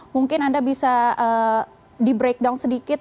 mungkin anda bisa di breakdown sedikit